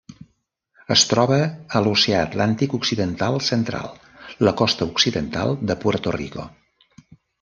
Es troba a l'Oceà Atlàntic occidental central: la costa occidental de Puerto Rico.